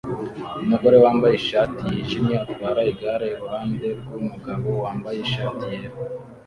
umugore wambaye ishati yijimye atwara igare iruhande rwumugabo wambaye ishati yera